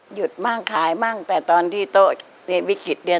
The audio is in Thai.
หยุดมากขายมากแต่ตอนที่โต๊ะเรียนวิคิดเนี่ย